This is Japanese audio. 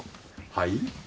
はい？